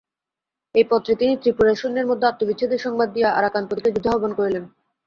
এই পত্রে তিনি ত্রিপুরার সৈন্যের মধ্যে আত্মবিচ্ছেদের সংবাদ দিয়া আরাকানপতিকে যুদ্ধে আহ্বান করিলেন।